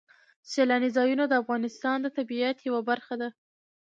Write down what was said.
سیلاني ځایونه د افغانستان د طبیعت یوه برخه ده.